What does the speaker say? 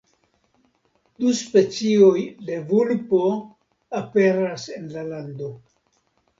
Du specioj de vulpo aperas en la lando.